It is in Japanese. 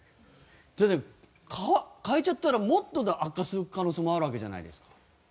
だって変えちゃったらもっと悪化する可能性もあるわけじゃないですか。